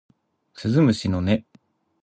鈴虫の音